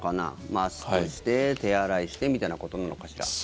マスクして、手洗いしてみたいなことなのかしら。